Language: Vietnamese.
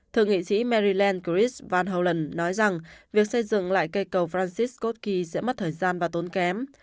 thượng nghị sĩ maryland chris van hollen nói rằng việc xây dựng lại cây cầu francis scott key sẽ mất thời gian và tốn kém